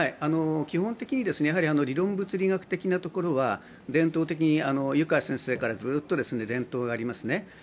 基本的に理論物理学的なところは伝統的に湯川先生からずっと伝統がありますね。